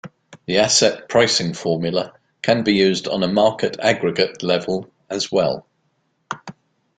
The asset pricing formula can be used on a market aggregate level as well.